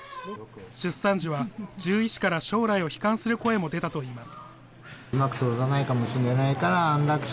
出産時は、獣医師から将来を悲観する声も出たといいます。